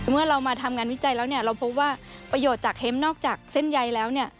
เมื่อเรามาทำงานวิจัยแล้วเนี่ยเราพบว่าประโยชน์จากเฮ็มนอกจากเส้นใยแล้วเนี่ย